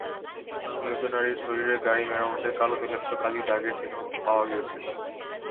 নিহত নারীর শরীরে গাড়ি মেরামতের কালো তৈলাক্ত কালি দাগের চিহ্ন পাওয়া গিয়েছিল।